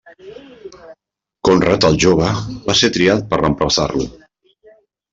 Conrad el Jove va ser triat per reemplaçar-lo.